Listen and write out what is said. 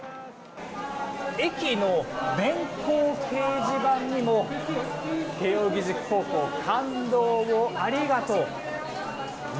駅の電光掲示板にも慶応義塾高校感動をありがとう！